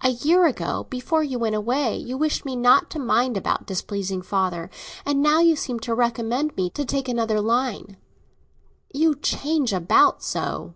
A year ago, before I went away, you wished me not to mind about displeasing father; and now you seem to recommend me to take another line. You change about so."